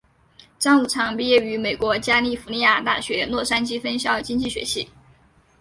张五常毕业于美国加利福尼亚大学洛杉矶分校经济学系。